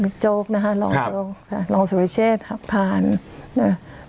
มิดโจ๊กนะฮะค่ะลองค่ะลองสุริเชษฐ์ครับผ่านเนี่ย